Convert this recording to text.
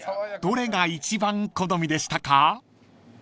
［どれが一番好みでしたか？］